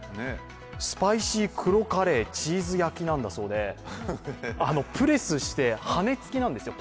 スパイシー黒カレーチーズ焼きなんだそうで、プレスして羽根つきなんですよ。